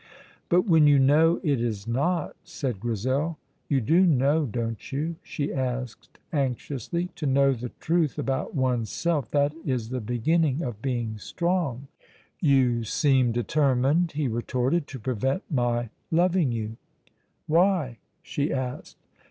"But when you know it is not," said Grizel. "You do know, don't you?" she asked anxiously. "To know the truth about one's self, that is the beginning of being strong." "You seem determined," he retorted, "to prevent my loving you." "Why?" she asked.